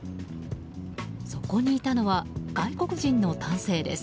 そこにいたのは外国人の男性です。